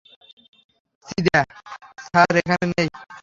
চিদা sir এখানে নেই।